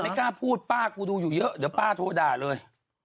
กล้าพูดป้ากูดูอยู่เยอะเดี๋ยวป้าโทรด่าเลย